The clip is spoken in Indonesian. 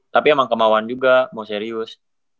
tapi emang kemauan juga mau serius